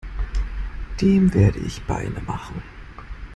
Dem werde ich Beine machen!